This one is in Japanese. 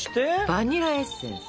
バニラエッセンス！